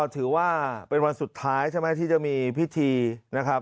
ถือว่าเป็นวันสุดท้ายใช่ไหมที่จะมีพิธีนะครับ